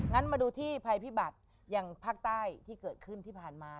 มาดูที่ภัยพิบัติอย่างภาคใต้ที่เกิดขึ้นที่ผ่านมา